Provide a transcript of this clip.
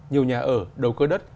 nhiều nhà ở đầu cơ đất